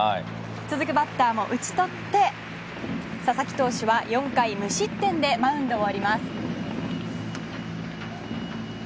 続くバッターも打ち取って佐々木投手は４回無失点でマウンドを降ります。